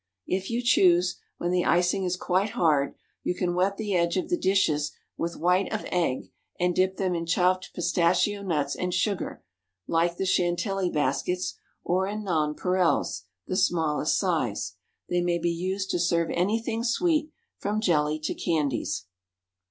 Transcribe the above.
If you choose, when the icing is quite hard, you can wet the edge of the dishes with white of egg and dip them in chopped pistachio nuts and sugar, like the Chantilly baskets, or in nonpareils (the smallest size). They may be used to serve anything sweet, from jelly to candies.